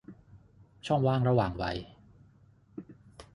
ช่องว่างระหว่างวัย